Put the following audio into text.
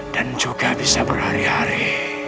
dan juga bisa berhari hari